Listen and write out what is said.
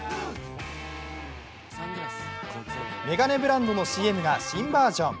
眼鏡ブランドのＣＭが新バージョン。